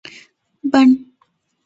بڼ